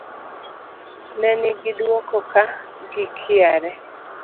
Ne gi duogo ka gikiare